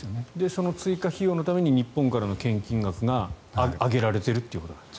その追加費用のために日本からの献金額が上げられているということですか。